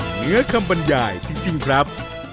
เหนือคำบรรยายจริงครับ